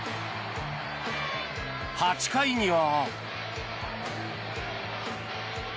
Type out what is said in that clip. ８回には。